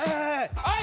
はい